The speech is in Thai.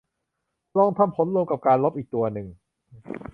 ลองทำผลรวมของการลบอีกตัวหนึ่ง